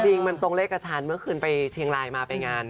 จริงมันตรงเลขกับฉันเมื่อคืนไปเชียงรายมาไปงาน